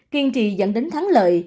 kiên trì dẫn đến thắng lợi